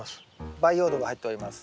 培養土が入っております。